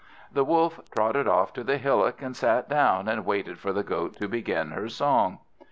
The Wolf trotted off to the hillock, and sat down, and waited for the Goat to begin her song.